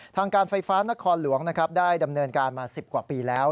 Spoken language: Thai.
ทางการไฟฟ้านครหลวงได้ดำเนินการมา๑๐กว่าปีแล้ว